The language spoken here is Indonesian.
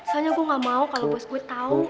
soalnya gue gak mau kalo bos gue tau